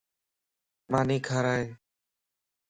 ماني کارائي